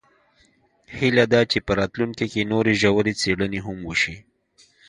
هیله ده چې په راتلونکي کې نورې ژورې څیړنې هم وشي